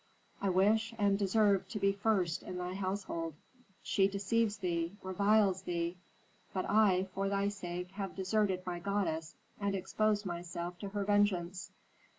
I wish and deserve to be first in thy household. She deceives thee, reviles thee. But I, for thy sake, have deserted my goddess and exposed myself to her vengeance."